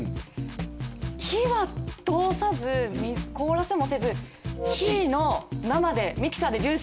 火は通さず凍らせもせずＣの生でミキサーでジュース。